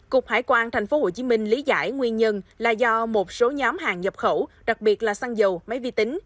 cục hải quan tp hcm lý giải nguyên nhân là do một số nhóm hàng nhập khẩu đặc biệt là xăng dầu máy vi tính